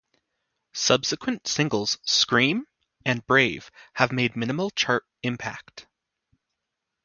Subsequent singles "Scream" and "Brave" made minimal chart impact.